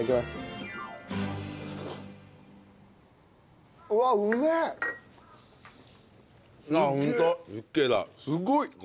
すごい。